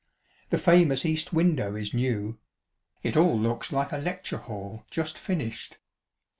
The famous east window is new ; it all looks like a lecture hall just finished.